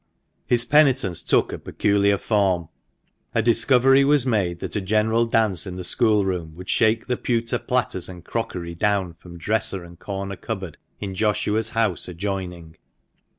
His penitence took a peculiar form. A discovery was made that a general dance in the school room would shake the pewter platters and crockery down from dresser and corner cupboard in Joshua's house adjoining.